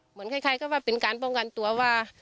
เหมือนบ้างเกินไว้ที่เป็นการป้องกันตัวว่า